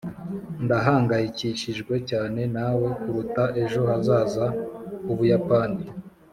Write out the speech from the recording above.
ndahangayikishijwe cyane nawe kuruta ejo hazaza h’ubuyapani.